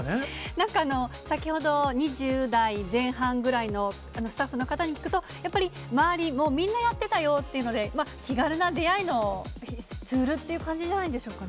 なんか先ほど２０代前半ぐらいのスタッフの方に聞くと、やっぱり周りもみんなやってたよってぐらいで、気軽な出会いのツールっていう感じじゃないんでしょうかね。